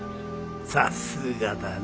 さすがだね。